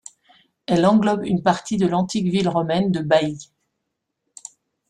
Elle englobe une partie de l'antique ville romaine de Baïes.